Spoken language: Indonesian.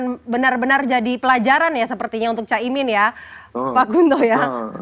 jadi pelajaran benar benar jadi pelajaran ya sepertinya untuk caimin ya pak gunto ya